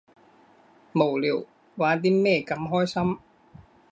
無聊，玩啲咩咁開心？